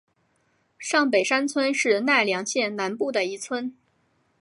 上北山村是奈良县南部的一村。